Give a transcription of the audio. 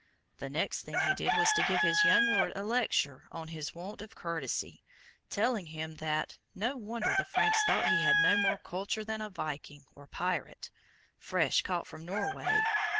The next thing he did was to give his young Lord a lecture on his want of courtesy, telling him that "no wonder the Franks thought he had no more culture than a Viking (or pirate), fresh caught from Norway.